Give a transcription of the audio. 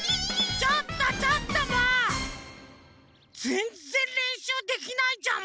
ぜんぜんれんしゅうできないじゃん